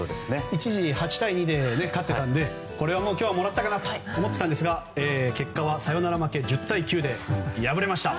一時８対２で勝っていたのでこれは今日はもらったと思っていたんですが結果はサヨナラ負け１０対９です。